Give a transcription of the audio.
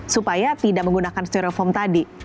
supaya tidak menggunakan stereofoam tadi